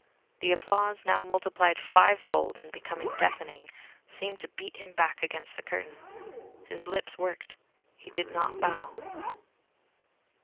The applause, now multiplied fivefold and become deafening, seemed to beat him back against the curtain. His lips worked. He did not bow.